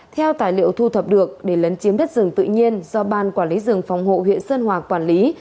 theo tài liệu thu thập được để lấn chiếm đất rừng tự nhiên do ban quản lý rừng phòng hộ huyện sơn hòa quản lý